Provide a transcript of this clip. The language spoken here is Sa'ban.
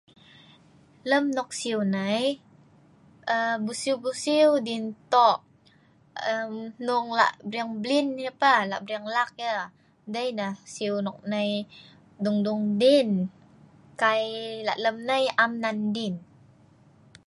lem nok siu nai.. aaa.. bu'siu bu'siu diin tok ermm hnung lak bring blin yah pah lak bring lak yah dei nah siu nok nai dung dung diin kai lak lem nai am nan diin